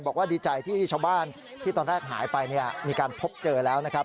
บอกว่าดีใจที่ชาวบ้านที่ตอนแรกหายไปเนี่ยมีการพบเจอแล้วนะครับ